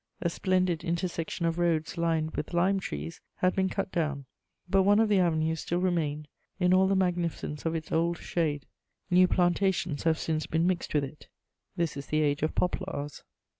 A splendid intersection of roads lined with lime trees had been cut down; but one of the avenues still remained in all the magnificence of its old shade; new plantations have since been mixed with it: this is the age of poplars.